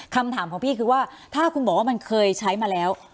คำถามของพี่คือว่าถ้าคุณบอกว่ามันเคยใช้มาแล้ว